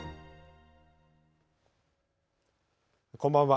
こんばんは。